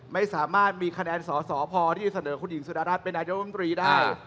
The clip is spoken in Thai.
ไม่สามารถมีคะแนนสอสอพอที่จะเสนอคุณหญิงสุดารัฐเป็นนายกรรมตรีได้